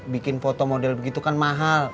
bikin foto model begitu kan mahal